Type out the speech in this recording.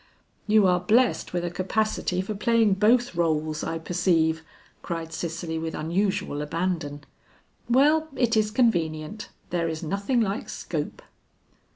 "You are blessed with a capacity for playing both rôles, I perceive," cried Cicely with unusual abandon. "Well, it is convenient, there is nothing like scope."